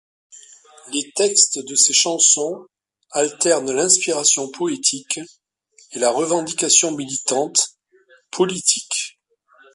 Les textes de ses chansons alternent l’inspiration poétique et la revendication militante, politique.